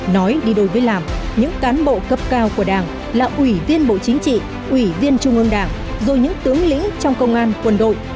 nói đi đôi với làm những cán bộ cấp cao của đảng là ủy viên bộ chính trị ủy viên trung ương đảng rồi những tướng lĩnh trong công an quân đội